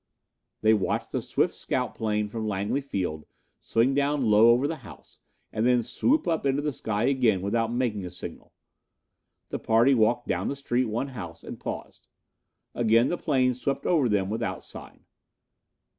They watched the swift scout plane from Langley Field swing down low over the house and then swoop up into the sky again without making a signal. The party walked down the street one house and paused. Again the plane swept over them without sign.